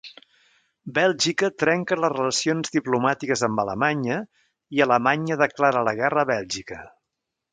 Bèlgica trenca les relacions diplomàtiques amb Alemanya i Alemanya declara la guerra a Bèlgica.